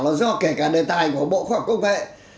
nó do kể cả đề tài của bộ khoa học công vệ